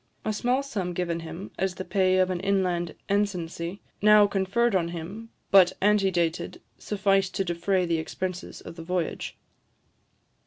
A small sum given him as the pay of an inland ensigncy, now conferred on him, but antedated, sufficed to defray the expenses of the voyage.